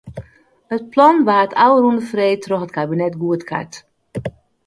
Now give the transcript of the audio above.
It plan waard ôfrûne freed troch it kabinet goedkard.